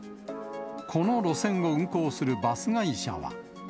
この路線を運行するバス会社は。